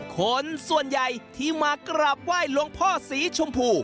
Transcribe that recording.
คนส่วนใหญ่ที่มากราบไหว้หลวงพ่อสีชมพู